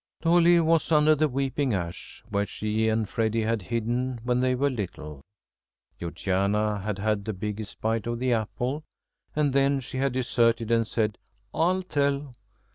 Dolly was under the weeping ash, where she and Freddy had hidden when they were little. Georgiana had had the biggest bite of the apple, and then she had deserted and said, "I'll tell!"